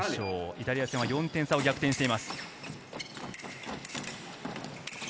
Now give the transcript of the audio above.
準々決勝、イタリア戦は４点差を逆転しています。